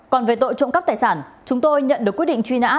còn về tội trộm cắp tài sản chúng tôi nhận được quyết định truy nã